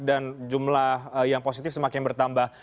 dan jumlah yang positif semakin bertambah